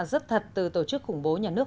rất thật từ tổ chức khủng bố nhà nước